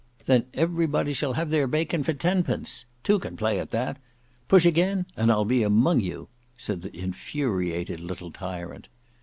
Then everybody shall have their bacon for ten pence. Two can play at that. Push again, and I'll be among you," said the infuriated little tyrant.